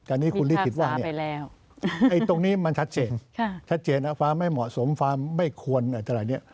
อันนี้คุณลิศผิดว่าตรงนี้มันชัดเจนชัดเจนว่าฟ้าไม่เหมาะสมฟ้าไม่ควรอันตรายนี้